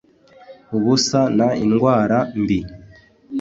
ubusa n indwara mbi